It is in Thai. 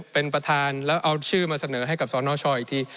เป็นประธานแล้วเอาชื่อมาเสนอให้กับสนชอีกที